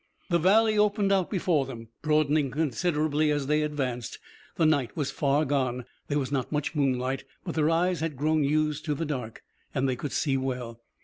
The valley opened out before them, broadening considerably as they advanced. The night was far gone, there was not much moonlight, but their eyes had grown used to the dark, and they could see well.